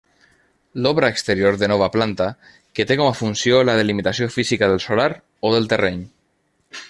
L'obra exterior de nova planta, que té com a funció la delimitació física del solar o del terreny.